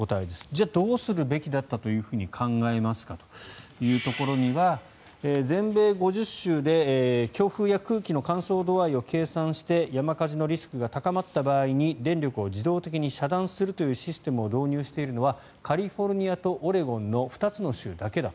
じゃあ、どうするべきだったと考えますかというところには全米５０州で、強風や空気の乾燥度合いを計算して山火事のリスクが高まった場合に電力を自動的に遮断するというシステムを導入しているのはカリフォルニアとオレゴンの２つの州だけだ。